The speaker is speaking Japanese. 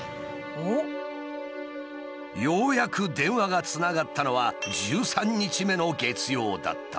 ようやく電話がつながったのは１３日目の月曜だった。